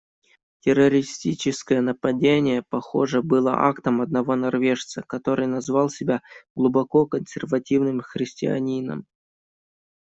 Террористическое нападение, похоже, было актом одного норвежца, который назвал себя глубоко консервативным христианином.